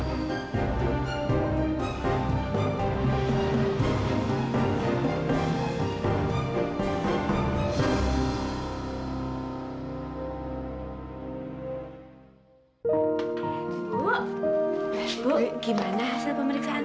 mama mau ketemu sama temen arisan mama